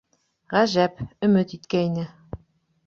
Ғәжәп, өмөт иткәйне.